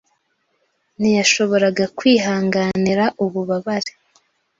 ntiyashoboraga kwihanganira ububabare.